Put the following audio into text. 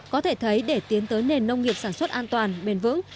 có thể thấy để tiến tới nền nông nghiệp sản xuất an toàn bền vững